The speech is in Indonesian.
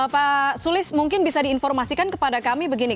pak sulis mungkin bisa diinformasikan kepada kami begini